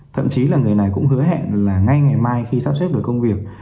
thậm chí là người này cũng hứa hẹn là ngay ngày mai khi sắp xếp được công việc